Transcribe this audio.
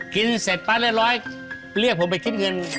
กินเสร็จปั๊ดเล็กเรียกผมไปคิดเงิน